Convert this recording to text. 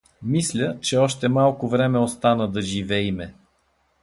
— Мисля, че още малко време остана да живейме.